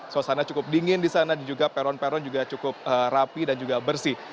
suasana cukup dingin di sana dan juga peron peron juga cukup rapi dan juga bersih